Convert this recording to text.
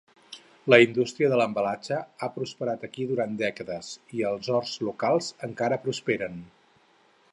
La indústria de l'embalatge ha prosperat aquí durant dècades, i els horts locals encara prosperen.